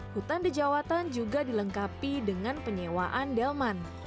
hutan dejawatan juga dilengkapi dengan penyewaan delman